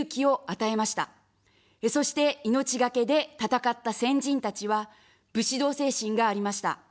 そして、命がけで戦った先人たちは、武士道精神がありました。